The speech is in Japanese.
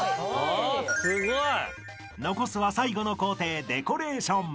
［残すは最後の工程デコレーション］